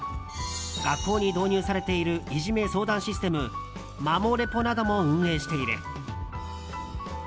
学校に導入されているいじめ相談システムマモレポなども運営している。